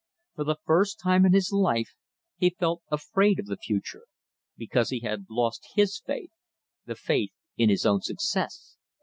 For the first time in his life he felt afraid of the future, because he had lost his faith, the faith in his own success.